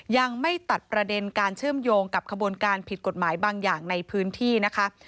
ยังไม่ตัดประเด็นการเชื่อมโยงกับขบวนการผิดกฎหมายบางอย่างในพื้นที่นะคะ